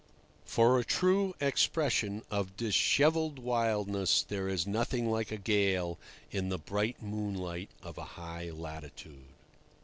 For a true expression of dishevelled wildness there is nothing like a gale in the bright moonlight of a high latitude.